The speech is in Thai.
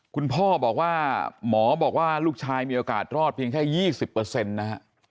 คุณพ่อบอกว่าหมอบอกว่าลูกชายมีโอกาสรอดเพียงแค่๒๐นะฮะ